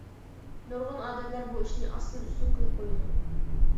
نۇرغۇن ئادەملەر بۇ ئىشنى ئاستىن-ئۈستۈن قىلىپ قويىدۇ.